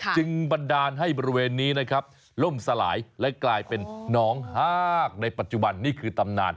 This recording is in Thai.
บันดาลให้บริเวณนี้นะครับล่มสลายและกลายเป็นน้องฮากในปัจจุบันนี่คือตำนาน